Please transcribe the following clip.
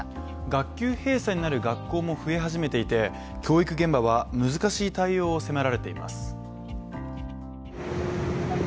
学校閉鎖になる学校も増え始めていて教育現場は難しい対応を迫られています。